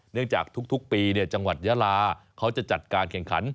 เนื่องจากทุกปีเนี่ยจังหวัดยาลาเขาจะจัดการแข่งขัน